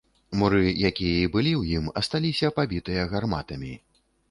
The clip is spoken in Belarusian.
Муры, якія і былі ў ім, асталіся пабітыя гарматамі.